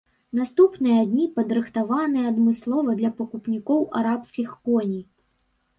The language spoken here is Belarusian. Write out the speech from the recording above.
Наступныя дні падрыхтаваныя адмыслова для пакупнікоў арабскіх коней.